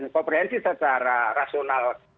komprehensi secara rasional